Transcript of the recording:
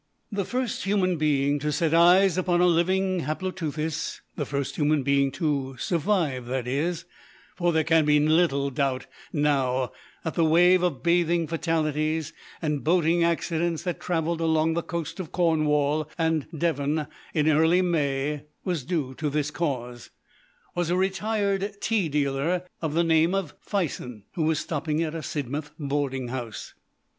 The first human being to set eyes upon a living Haploteuthis the first human being to survive, that is, for there can be little doubt now that the wave of bathing fatalities and boating accidents that travelled along the coast of Cornwall and Devon in early May was due to this cause was a retired tea dealer of the name of Fison, who was stopping at a Sidmouth boarding house.